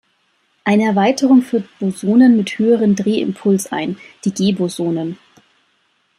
Eine Erweiterung führt Bosonen mit höherem Drehimpuls ein, die g-Bosonen.